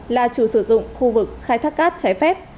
là chủ sử dụng khu vực khai thác cát trái phép